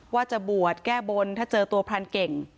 ว่าจะบวชแก้บนถ้าเจอตัวพรานเก่ง